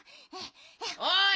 おい！